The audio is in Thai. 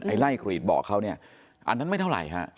ไล่กรีดเบาะเขาเนี่ยอันนั้นไม่เท่าไหร่ฮะ